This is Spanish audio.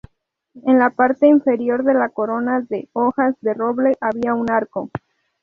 En la parte inferior de la corona de hojas de roble había un arco.